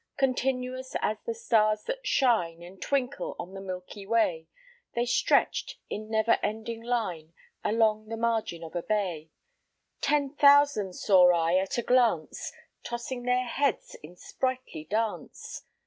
Continuous as the stars that shine And twinkle on the Milky Way, They stretch'd in never ending line Along the margin of a bay: Ten thousand saw I at a glance, Tossing their heads in sprightly dance.